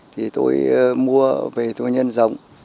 thì tôi mua về thu nhân rộng